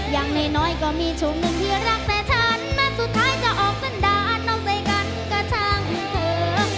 อย่างน้อยก็มีช่วงหนึ่งที่รักแต่ฉันแม้สุดท้ายจะออกสันดานอกใจกันกับช่างเธอ